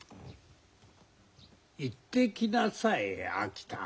行ってきなさい秋田。